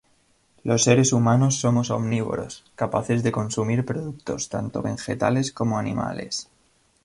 Los seres humanos somos omnívoros, capaces de consumir productos tanto vegetales como animales.